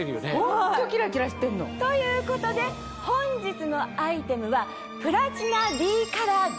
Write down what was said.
ホントキラキラしてるの。ということで本日のアイテムは。